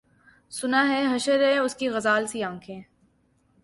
سُنا ہے حشر ہیں اُس کی غزال سی آنکھیں